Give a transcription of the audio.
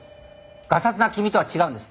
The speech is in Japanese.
ガサツな君とは違うんです。